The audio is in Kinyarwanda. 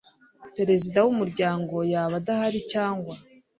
perezida w umuryango yaba adahari cyangwa